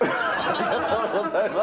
ありがとうございます。